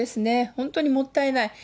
本当にもったいない。